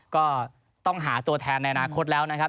ก็ต้องหาตัวแทนในอนาคตแล้วนะครับ